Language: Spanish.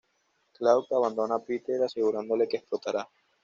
Claude abandona a Peter asegurándole que explotará.